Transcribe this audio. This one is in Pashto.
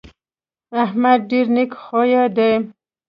احمد ډېر نېک خویه دی.